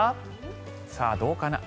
さあ、どうかな？